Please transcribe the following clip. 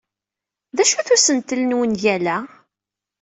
D acu-t usentel n wungal-a?